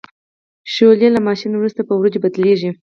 شولې له ماشین وروسته په وریجو بدلیږي.